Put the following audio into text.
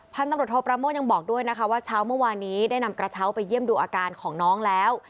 พันธุ์ตำรวจโทปราโมทยังบอกด้วยนะคะว่าเช้าเมื่อวานนี้ได้นำกระเช้าไปเยี่ยมดูอาการของน้องแล้ว